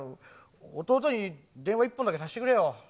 弟に電話一本だけさせてくれよ。